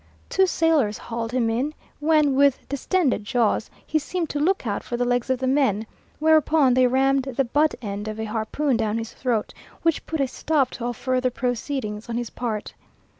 Twelve sailors hauled him in, when, with distended jaws, he seemed to look out for the legs of the men, whereupon they rammed the butt end of a harpoon down his throat, which put a stop to all further proceedings on his part.